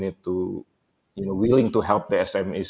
kita harus berniat untuk membantu smes